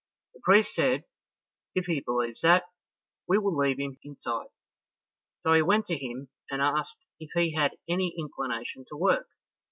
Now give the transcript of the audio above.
The priest said, "If he believes that, we will leave him inside." So he went to him, and asked if he had any inclination to work.